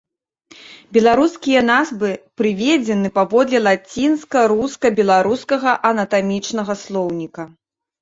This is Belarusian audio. Беларускія назвы прыведзены паводле лацінска-руска-беларускага анатамічнага слоўніка.